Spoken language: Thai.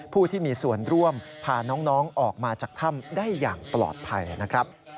ผู้ที่มีส่วนร่วมพาน้องออกมาจากถ้ำได้อย่างปลอดภัยนะครับ